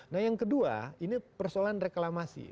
nah yang kedua ini persoalan reklamasi